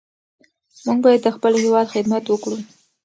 موږ باید د خپل هېواد خدمت وکړو.